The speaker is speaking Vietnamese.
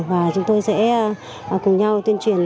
và chúng tôi sẽ cùng nhau tuyên truyền